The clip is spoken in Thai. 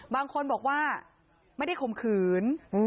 บางคนบอกว่าไม่ได้ข่มขืน